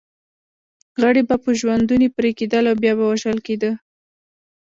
غړي به په ژوندوني پرې کېدل او بیا به وژل کېده.